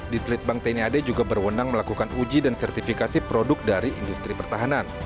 ditelit bank tni ad juga berwenang melakukan uji dan sertifikasi produk dari industri pertahanan